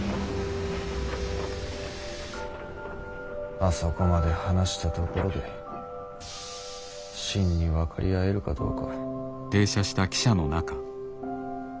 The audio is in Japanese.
あそこまで話したところで真に分かり合えるかどうか。